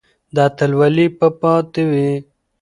دا اتلولي به پاتې وي.